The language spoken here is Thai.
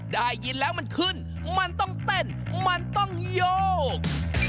ได้ยินแล้วมันขึ้นมันต้องเต้นมันต้องโยก